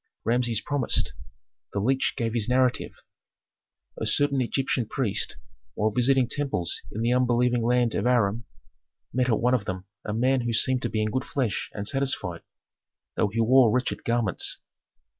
Rameses promised. The leech gave this narrative: "A certain Egyptian priest, while visiting temples in the unbelieving land of Aram, met at one of them a man who seemed to him in good flesh and satisfied, though he wore wretched garments.